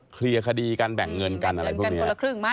เคลียร์คดีการแบ่งเงินกันอะไรพวกเงี้ย